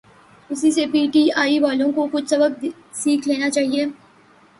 اسی سے P T I والوں کو کچھ سبق سیکھ لینا چاہیے۔